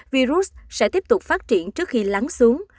virus sẽ tiếp tục phát triển trước khi lắng xuống